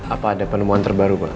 apa ada penemuan terbaru pak